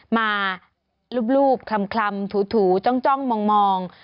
มารูปคลำถูจ้องมอง